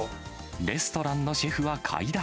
レストランのシェフは快諾。